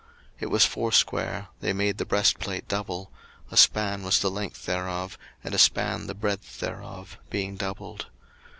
02:039:009 It was foursquare; they made the breastplate double: a span was the length thereof, and a span the breadth thereof, being doubled.